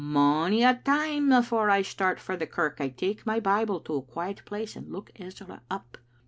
Mony a time afore I start for the kirk I take my Bible to a quiet place and look Ezra up.